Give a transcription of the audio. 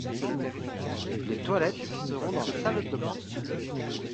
les toilettes seront dans la salle de bain